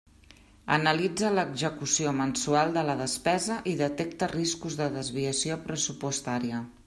Analitza l'execució mensual de la despesa i detecta riscos de desviació pressupostària.